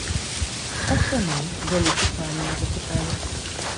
А чаму, вялікі пане, запыталі?